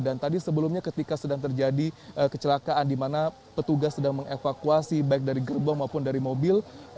dan tadi sebelumnya ketika sedang terjadi kecelakaan di mana petugas sedang mengevakuasi baik dari gerbong maupun dari mobil